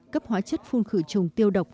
cấp hóa chất phun khử trùng tiêu độc